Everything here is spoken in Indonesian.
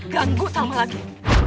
ganggu salma lagi